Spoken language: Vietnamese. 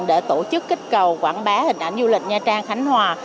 để tổ chức kích cầu quảng bá hình ảnh du lịch nha trang khánh hòa